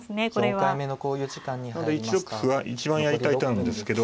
なので１六歩は一番やりたい手なんですけど。